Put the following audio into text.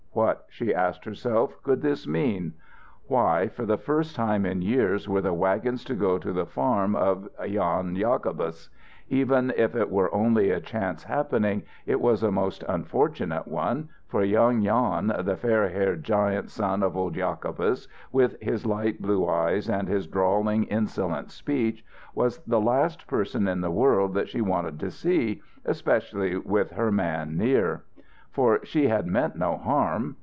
What, she asked herself, could this mean? Why, for the first time in years, were the wagons to go to the farm of Jan Jacobus? Even if it were only a chance happening, it was a most unfortunate one, for young Jan, the fair haired, giant son of old Jacobus, with his light blue eyes and his drawling, insolent speech, was the last person in the world that she wanted to see, especially with her man near. For she had meant no harm.